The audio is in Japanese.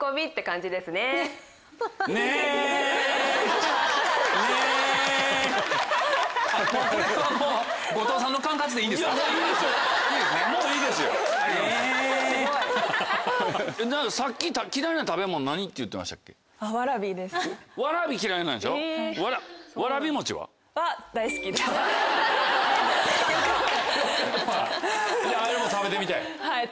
じゃあれも食べてみたい？